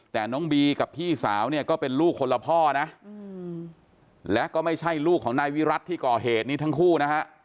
แต่น้องบีกับพี่สาวเนี่ยก็เป็นลูกคนละพ่อนะและก็ไม่ใช่ลูกของนายวิรัติที่ก่อเหตุนี้ทั้งคู่นะฮะ